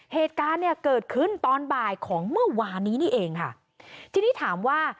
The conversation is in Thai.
เหตุการณ์เนี่ยเกิดขึ้นตอนบ่ายของเมื่อวานนี้นี่เองค่ะทีนี้ถามว่า